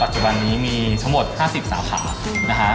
ปัจจุบันนี้ทั้งหมด๕๐สาขา